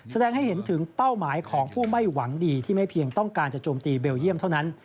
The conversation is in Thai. แสดงให้เห็นถึงเป้าหมายของผู้ไม่หวังดีที่ไม่เพียงต้องการจะโจมตีเบลเยี่ยมเท่านั้น